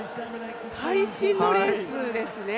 会心のレースですね